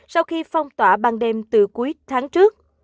sau khi phong tỏa ban đêm từ cuối tháng trước